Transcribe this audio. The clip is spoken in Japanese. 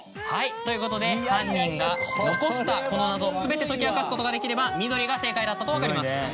はいということで犯人が残したこの謎全て解き明かすことができれば「みどり」が正解だったと分かります。